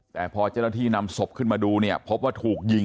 แต่พอเจ้าหน้าที่นำศพขึ้นมาดูเนี่ยพบว่าถูกยิง